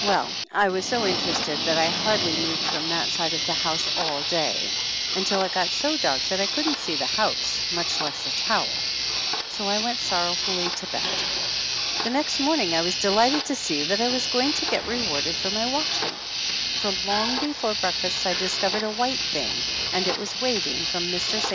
Well, I was so interested that I hardly moved from that side of the house all day, until it got so dark that I couldn't see the house, much less a towel. So I went sorrowfully to bed. The next morning I was delighted to see that I was going to get rewarded for my watching, for long before breakfast I discovered a white thing, and it was waving from Mr. St.